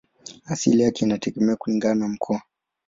Asili yake inategemea kulingana na mkoa.